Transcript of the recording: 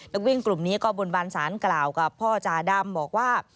นักวิ่งกลุ่มนี้ก็บนบานสารกล่าวกับพ่อจาดำบอกว่า